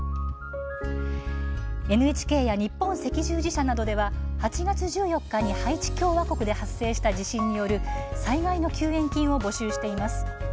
ＮＨＫや日本赤十字社などでは８月１４日にハイチ共和国で発生した地震による災害の救援金を募集しています。